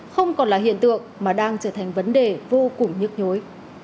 không còn là hiện tượng mà đang trở thành vấn đề vô cùng nhức nhối